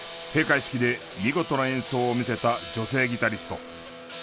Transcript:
閉会式で見事な演奏を見せた女性ギタリスト。